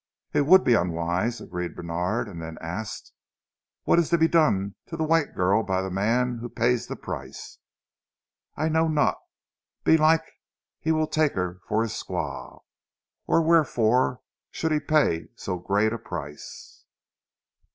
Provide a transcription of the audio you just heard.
"It would be unwise," agreed Bènard, and then asked: "What is to be done to the white girl by the man who pays the price?" "I know not; belike he will take her for his squaw, or wherefore should he pay so great a price?"